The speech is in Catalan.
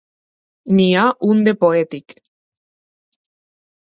N'hi ha un de poètic.